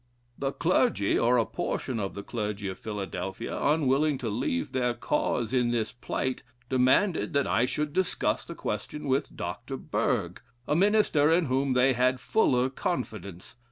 ] "The clergy, or a portion of the clergy, of Philadelphia, unwilling to leave their cause in this plight, demanded that I should discuss the question with Dr. Berg, a minister in whom they had fuller confidence.